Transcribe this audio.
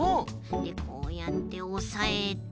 でこうやっておさえてうえから。